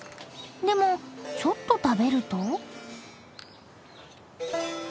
でもちょっと食べると。